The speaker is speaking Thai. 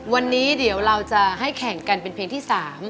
วันนี้เดี๋ยวเราจะให้แข่งกันเป็นเพลงที่๓